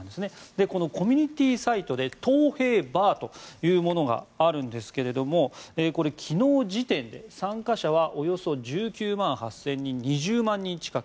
コミュニティーサイトでトウヘイＢａｒというものがあるんですがこれ、昨日時点で参加者はおよそ１９万８０００人２０万人近く。